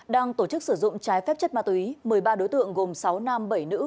đang tổ chức sử dụng trái phép chất ma túy một mươi ba đối tượng gồm sáu nam bảy nữ